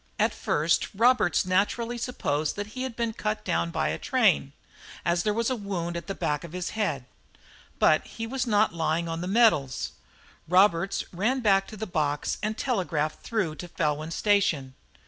At first Roberts naturally supposed that he had been cut down by a train, as there was a wound at the back of the head; but he was not lying on the metals. Roberts ran back to the box and telegraphed through to Felwyn Station.